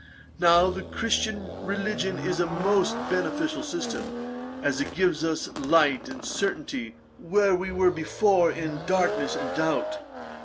Now the Christian religion is a most beneficial system, as it gives us light and certainty where we were before in darkness and doubt.